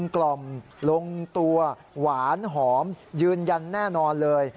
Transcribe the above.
กล่อมลงตัวหวานหอมยืนยันแน่นอนเลย